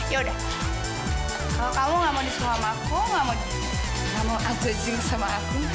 ya udah kalau kamu enggak mau disuruh sama aku enggak mau adzojing sama aku